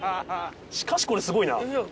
しかしこれすごいな。